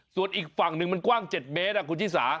ส่วนอีกฝั่งหนึ่งมันกว้าง๗เมตรคุณชิสา